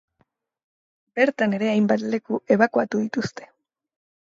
Bertan ere hainbat leku ebakuatu dituzte.